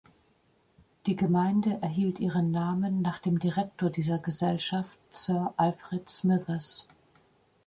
Die Gemeinde erhielt ihren Namen nach dem Direktor dieser Gesellschaft Sir Alfred Smithers.